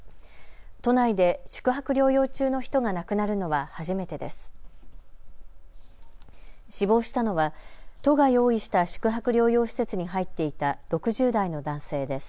都内で宿泊療養中の人が亡くなるのは初めてです。